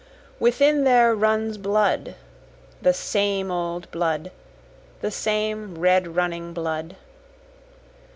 Within there runs blood, The same old blood! the same red running blood!